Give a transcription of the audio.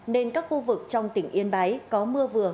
nên các khu vực trong tỉnh yên bái có mưa vừa